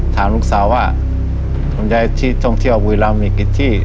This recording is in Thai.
ถามลูกสาวว่าท่องเที่ยวบุยรัมมีกี่ที่